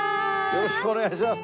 よろしくお願いします